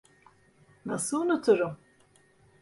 Nasıl unuturum?